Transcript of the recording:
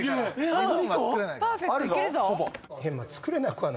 日本は作れないから。